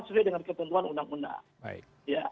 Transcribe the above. sesuai dengan ketentuan undang undang